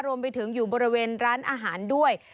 รวมไปถึงอยู่บริเวณร้านอาหารด้วย